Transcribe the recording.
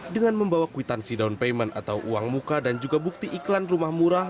dengan membawa kwitansi down payment atau uang muka dan juga bukti iklan rumah murah